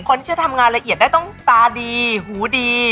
คนที่จะทำงานละเอียดได้ต้องตาดีหูดี